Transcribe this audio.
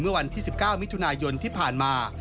เมื่อวันที่๑๙มิถุนายนที่ผ่านมา